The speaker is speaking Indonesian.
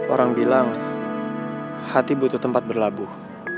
orang bilang hati butuh tempat berlabuh